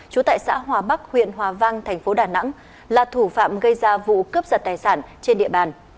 trú tại xã hòa bắc huyện hòa vang thành phố đà nẵng là thủ phạm gây ra vụ cướp giật tài sản trên địa bàn